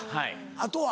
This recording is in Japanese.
あとは？